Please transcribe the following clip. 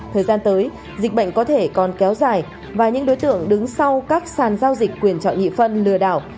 thời gian tới dịch bệnh có thể còn kéo dài và những đối tượng đứng sau các sàn giao dịch quyền chọn nhị phân lừa đảo